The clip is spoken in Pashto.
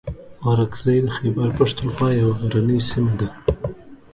اورکزۍ د خیبر پښتونخوا یوه غرنۍ سیمه ده.